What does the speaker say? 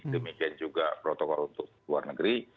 demikian juga protokol untuk luar negeri